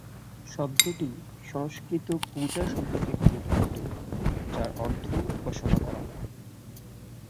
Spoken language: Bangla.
শব্দটি সংস্কৃত পূজা শব্দ থেকে উদ্ভূত, যার অর্থ উপাসনা করা।